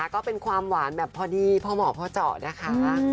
ก็เป็นความหวานแบบพอดีพอเหมาะพอเจาะนะคะ